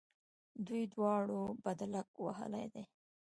دوی دواړو بدلک وهلی دی.